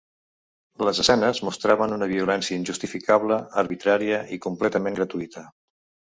Les escenes mostraven una violència injustificable, arbitrària i completament gratuïta.